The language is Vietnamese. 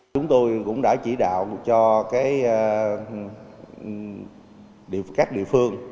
cho các địa phương